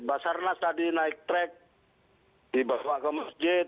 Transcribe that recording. mas arnas tadi naik trek dibawa ke masjid